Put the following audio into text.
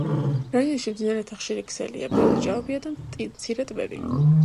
რაიონში მდინარეთა ხშირი ქსელია, ბევრია ჭაობი და მცირე ტბები.